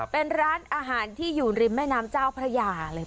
เป็นร้านอาหารที่อยู่ริมแม่น้ำเจ้าพระยาเลย